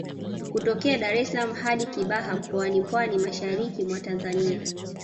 Kutokea Dar es salaam hadi Kibaha Mkoani Pwani mashariki mwa Tanzania